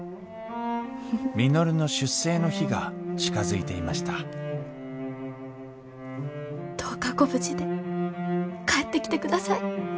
稔の出征の日が近づいていましたどうかご無事で帰ってきてください。